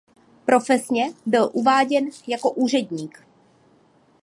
Profesně byl uváděn jako úředník.